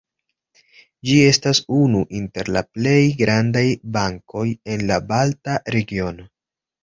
Ĝi estas unu inter la plej grandaj bankoj en la balta regiono.